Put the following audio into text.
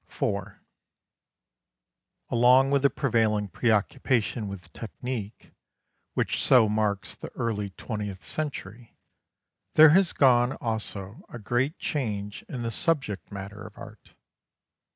IV Along with the prevailing preoccupation with technique which so marks the early twentieth century, there has gone also a great change in the subject matter of art.